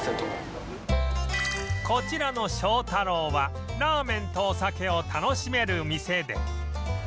こちらの庄太郎はラーメンとお酒を楽しめる店で